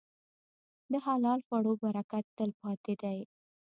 د حلال خوړو برکت تل پاتې دی.